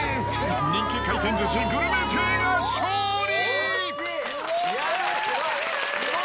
人気回転寿司ぐるめ亭が勝利。